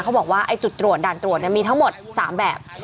บอกว่าจุดตรวจด่านตรวจมีทั้งหมด๓แบบ